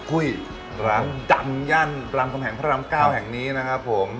คุยร้านดำย่านรำคมแห่งพระรำเกล้าแห่งนี้นะครับผม